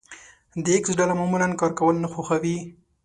د ايکس ډله معمولا کار کول نه خوښوي.